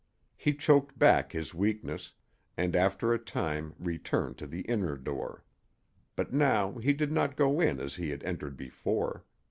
He choked back his weakness, and after a time returned to the inner door. But now he did not go in as he had entered before.